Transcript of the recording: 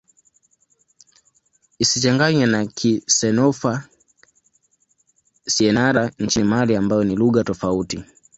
Isichanganywe na Kisenoufo-Syenara nchini Mali ambayo ni lugha tofauti.